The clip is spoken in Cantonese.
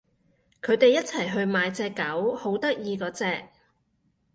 佢哋一齊去買隻狗，好得意嗰隻